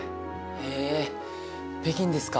へぇ北京ですか。